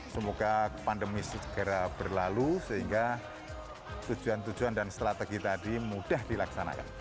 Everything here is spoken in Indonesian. semoga pandemi segera berlalu sehingga tujuan tujuan dan strategi tadi mudah dilaksanakan